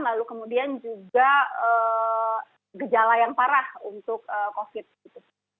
lalu kemudian juga gejala yang parah untuk covid gitu